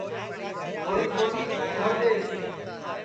چھوری بونی توں گھر ٻیس